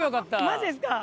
マジですか？